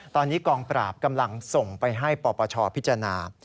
ตอนนี้กองปราบกำลังส่งไปให้ปปชพิจารณา